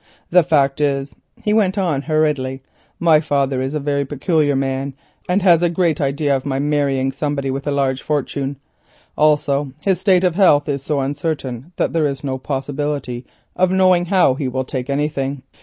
The fact is," he went on hurriedly, "my father is a very peculiar man, and has a great idea of my marrying somebody with a large fortune. Also his state of health is so uncertain that there is no possibility of knowing how he will take anything.